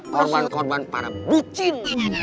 korban korban para bucin